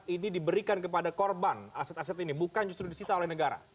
ini diberikan kepada korban aset aset ini bukan justru disita oleh negara